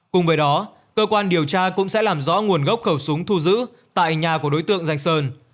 cùng với đó cơ quan điều tra cũng sẽ làm rõ nguồn gốc khẩu súng thu giữ tại nhà của đối tượng danh sơn